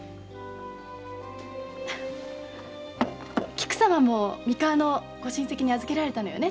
菊様も三河のご親戚に預けられたのよね